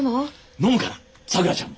飲むかなさくらちゃんも。